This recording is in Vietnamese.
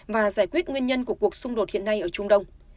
và giải quyết nguyên nhân của cuộc xung đột hiện nay ở trung đông